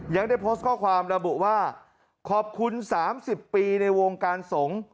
ยังได้โพสต์ข้อความระบุว่าขอบคุณ๓๐ปีในวงการสงฆ์